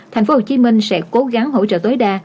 thành phố hồ chí minh sẽ cố gắng hỗ trợ tối đa